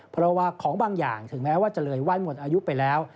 เพราะว่าของบางอย่างถึงแม้ว่าจะเลยไหว้หมดอายุไปแล้ว